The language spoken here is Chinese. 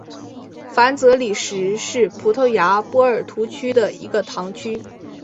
凡泽里什是葡萄牙波尔图区的一个堂区。